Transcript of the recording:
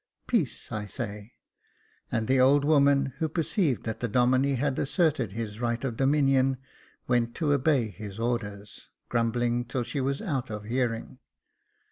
Peace, I say ;" and the old woman, who perceived that the Domine had asserted his right of dominion, went to obey his orders, grumbling till she was out of hearing.